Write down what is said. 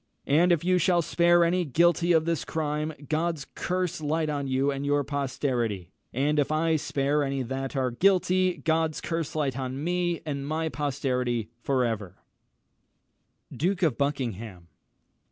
And if you shall spare any guilty of this crime, God's curse light on you and your posterity! and if I spare any that are guilty, God's curse light on me and my posterity for ever!" [Illustration: DUKE OF BUCKINGHAM.